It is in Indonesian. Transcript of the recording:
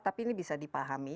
tapi ini bisa dipahami